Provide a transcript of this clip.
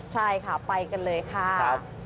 ใช่ค่ะไปกันเลยค่ะ